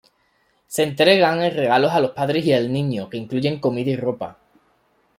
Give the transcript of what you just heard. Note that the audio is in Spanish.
Se entregan regalos a los padres y al niño, que incluyen comida y ropa.